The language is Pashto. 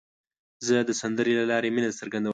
زه د سندرې له لارې مینه څرګندوم.